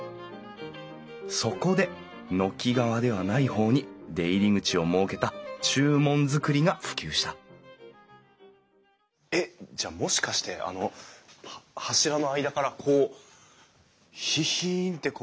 そこで軒側ではない方に出入り口を設けた中門造りが普及したえっじゃあもしかしてあの柱の間からこうヒヒンってこう馬が首を出してたんですかね？